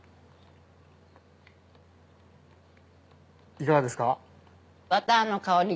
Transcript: いかがですか？